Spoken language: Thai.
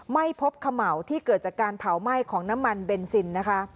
ไม่พบเขม่าที่เกิดจากการเผาไหม้ของน้ำมันเบนซินนะคะ